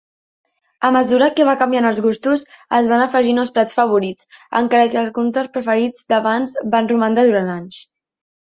A mesura que van canviar els gustos, es van afegir nous plats favorits, encara que alguns dels preferits d'abans van romandre durant anys.